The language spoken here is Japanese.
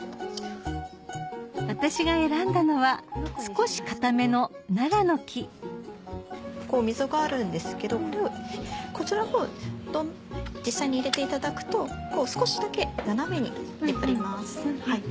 私が選んだのは少し堅めのナラの木こう溝があるんですけどこちらの方を実際に入れていただくと少しだけ斜めに出っ張ります。